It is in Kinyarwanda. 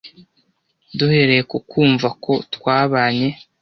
"Duhereye ku kumva ko twabanye--